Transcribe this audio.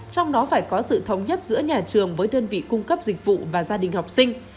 trong đó phải có sự thống nhất giữa nhà trường với đơn vị cung cấp dịch vụ và gia đình học sinh